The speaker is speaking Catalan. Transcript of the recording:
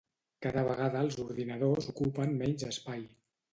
Cada vegada els ordinadors ocupen menys espai.